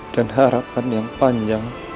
dan harapan yang panjang